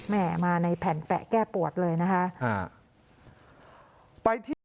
แม่มาในแผ่นแปะแก้ปวดเลยนะคะ